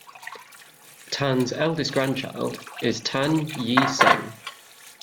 Tan's eldest grandchild is Tan Yee Seng.